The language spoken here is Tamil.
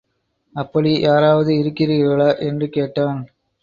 அப்படி யாராவது இருக்கிறீர்களா? என்று கேட்டான்.